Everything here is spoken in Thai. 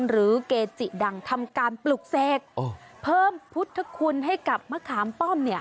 หรือเกจิดังทำการปลุกเสกเพิ่มพุทธคุณให้กับมะขามป้อมเนี่ย